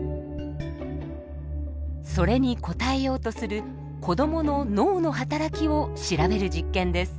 それに答えようとする子どもの脳の働きを調べる実験です。